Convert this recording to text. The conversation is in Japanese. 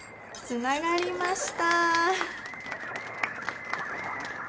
つながりました！